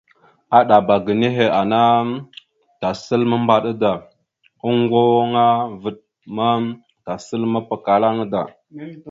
Aɗaba ga nehe ana, tasal mambaɗa da, oŋgo aŋa vaɗ ma tasal mapakala aŋa da.